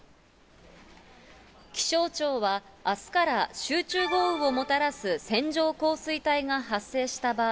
気象庁は、あすから集中豪雨をもたらす線状降水帯が発生した場合、